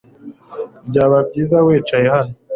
Byaba byiza wicaye hano